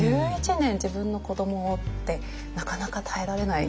１１年自分の子どもをってなかなか耐えられない。